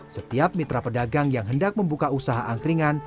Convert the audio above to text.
setiap mitra pedagang yang hendak membuka usaha angkringan